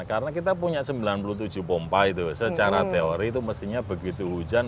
karena kita punya sembilan puluh tujuh pompa itu secara teori itu mestinya begitu hujan